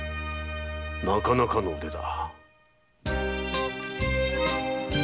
なかなかの腕だ。